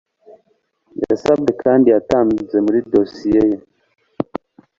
yasabwe kandi yatanze muri dosiye ye